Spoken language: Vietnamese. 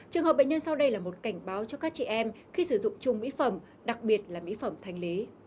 trường hợp bệnh nhân sau đây là một cảnh báo cho các chị em khi sử dụng chung mỹ phẩm đặc biệt là mỹ phẩm thanh lý